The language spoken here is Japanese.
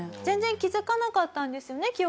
全然気づかなかったんですよね？